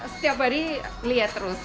setiap hari lihat terus